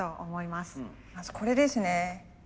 まずこれですね。